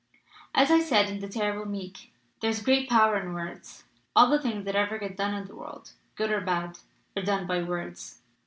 "As I said in The Terrible Meek: 'There is great power in words. All the things that ever get done in the world, good or bad, are done by words.'